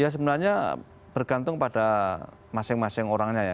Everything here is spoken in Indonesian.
ya sebenarnya bergantung pada masing masing orangnya ya